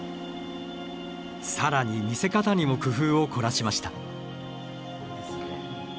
更に見せ方にも工夫を凝らしました。